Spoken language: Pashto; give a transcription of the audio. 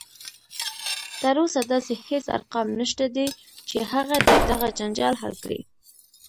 تر اوسه داسې هیڅ ارقام نشته دی چې هغه دې دغه جنجال حل کړي